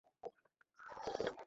চাইলে আপনি পরীক্ষা করে দেখতে পারেন।